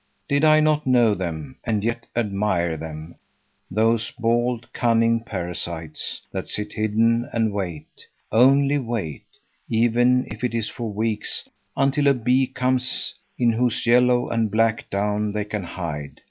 Did I not know them and yet admire them, those bold, cunning parasites, that sit hidden and wait, only wait, even if it is for weeks, until a bee comes, in whose yellow and black down they can hide.